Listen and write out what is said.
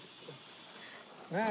ねえ。